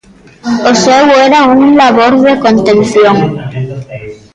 O seu era un labor de contención.